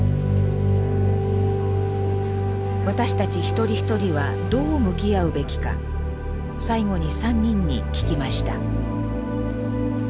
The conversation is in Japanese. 私たち一人一人はどう向き合うべきか最後に３人に聞きました。